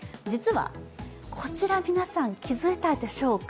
こちら皆さん気づいたでしょうか。